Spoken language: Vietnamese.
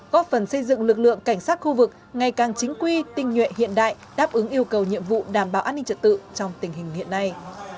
góp phần xây dựng lực lượng cảnh sát khu vực ngày càng chính quy tinh nhuệ hiện đại đáp ứng yêu cầu nhiệm vụ đảm bảo an ninh trật tự trong tình hình hiện nay